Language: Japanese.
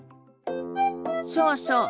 そうそう。